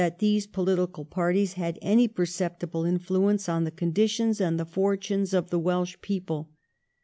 329 these political parties had any perceptible influence on the conditions and the fortunes of the Welsh people.